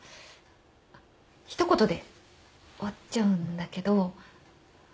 一言で終わっちゃうんだけど。